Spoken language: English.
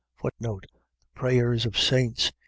The prayers of saints.